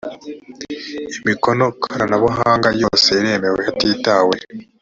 imikono koranabuhanga yose iremewe hatitawe